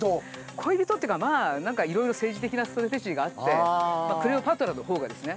恋人っていうか何かいろいろ政治的なストラテジーがあってまあクレオパトラのほうがですね。